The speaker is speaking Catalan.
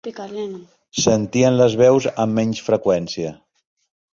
Sentien les veus amb menys freqüència.